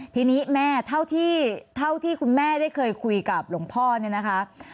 ทีนี้แม่เท่าที่คุณแม่ได้เคยคุยกับหลวงพ่อเนี่ยนะคะ